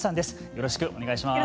よろしくお願いします。